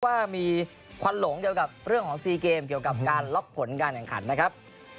ว่ามีควันหลงเกี่ยวกับเรื่องของซีเกมเกี่ยวกับการล็อกผลการแข่งขันนะครับ